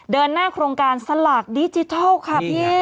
เดินหน้าโครงการสลากดิจิทัลค่ะพี่